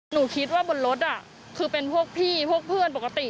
หนูคิดว่าบนรถคือเป็นพวกพี่พวกเพื่อนปกติ